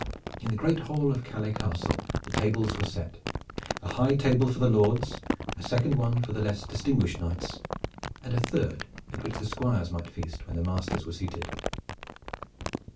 In the great hall of Calais Castle the tables were set, a high table for the lords, a second one for the less distinguished knights, and a third at which the squires might feast when their masters were seated.